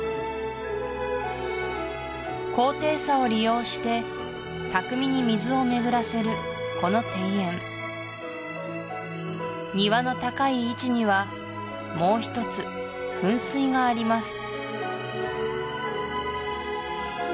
高低差を利用して巧みに水を巡らせるこの庭園庭の高い位置にはもう一つ噴水があります